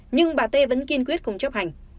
nhưng bà t vẫn kiên quyết không chấp hành